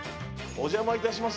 お邪魔いたします。